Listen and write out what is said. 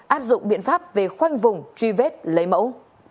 áp dụng biện pháp về khoanh vùng truy vết lấy mẫu